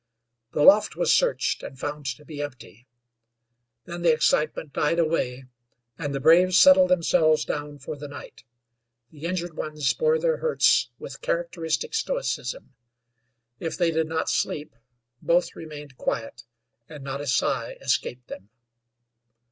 The loft was searched, and found to be empty. Then the excitement died away, and the braves settled themselves down for the night. The injured ones bore their hurts with characteristic stoicism; if they did not sleep, both remained quiet and not a sigh escaped them.